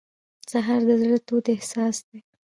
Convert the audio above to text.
سهار د زړه تود احساس دی.